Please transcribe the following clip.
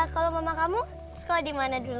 kalau mama kamu sekolah di mana dulu